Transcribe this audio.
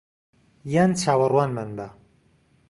یان چاوەڕوانمان بە